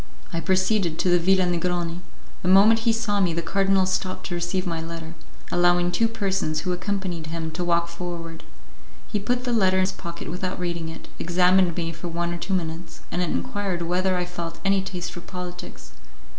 I proceeded to the Villa Negroni; the moment he saw me the cardinal stopped to receive my letter, allowing two persons who accompanied him to walk forward. He put the letter in his pocket without reading it, examined me for one or two minutes, and enquired whether I felt any taste for politics.